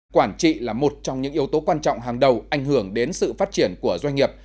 quản trị là một trong những yếu tố quan trọng hàng đầu ảnh hưởng đến sự phát triển của doanh nghiệp